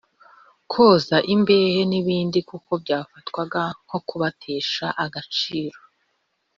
koza imbehe n’ibindi kuko byafatwaga nko kubatesha agaciro.